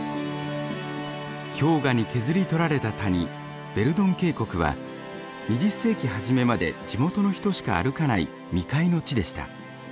氷河に削り取られた谷ヴェルドン渓谷は２０世紀初めまで地元の人しか歩かない未開の地でした。